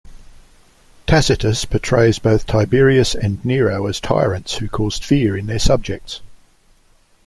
Tacitus portrays both Tiberius and Nero as tyrants who caused fear in their subjects.